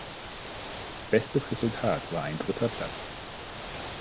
Bestes Resultat war ein dritter Platz.